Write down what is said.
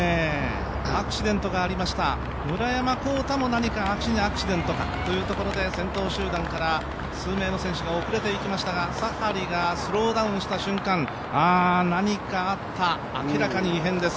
アクシデントがありました、村山紘太も何か足にアクシデントかというところで先頭集団から数名の選手が遅れていきましたが、サハリがスローダウンした瞬間、何かあった、明らかに異変です。